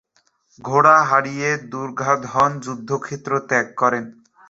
ঘোড়া হারিয়ে, দুর্গাধন যুদ্ধক্ষেত্র ত্যাগ করেন।